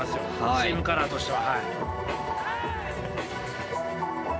チームカラーとしては。